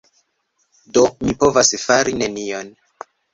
Do mi povas fari nenion!